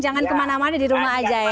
jangan kemana mana di rumah aja ya